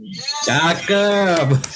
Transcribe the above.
ya terima kasih pak troy